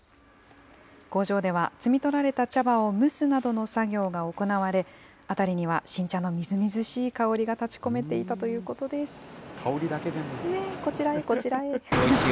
工場では摘み取られた茶葉を蒸すなどの作業が行われ、辺りには新茶のみずみずしい香りが立ち込めていたということです。